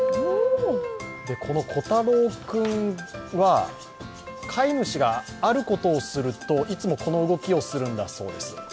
この虎太朗君は、飼い主があることをするといつもこの動きをするんだそうです。